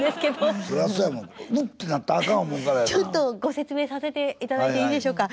ご説明させていただいていいでしょうか？